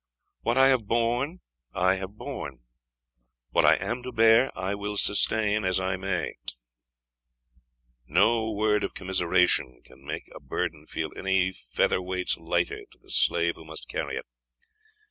What I have borne, I have borne What I am to bear I will sustain as I may; no word of commiseration can make a burden feel one feather's weight lighter to the slave who must carry it.